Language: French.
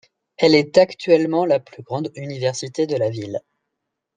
Elle est actuellement la plus grande université de la ville.